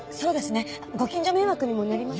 ご近所迷惑にもなりますし。